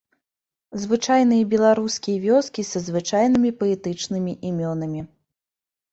Звычайныя беларускія вёскі са звычайнымі паэтычнымі імёнамі.